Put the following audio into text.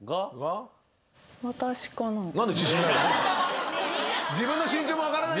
何で自信ない？